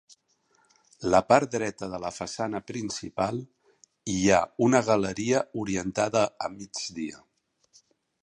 La part dreta de la façana principal hi ha una galeria orientada a migdia.